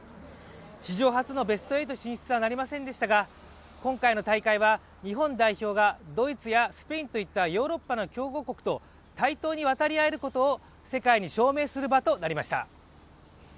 史上初のベスト８進出はなりませんでしたが今回の大会は、日本代表がドイツやスペインといったヨーロッパの強豪国と対等に渡り合えることを世界に証明する場となりました。